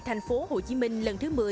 thành phố hồ chí minh lần thứ một mươi